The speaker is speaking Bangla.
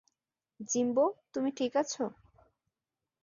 জিম্বো, তুমি ঠিক আছো?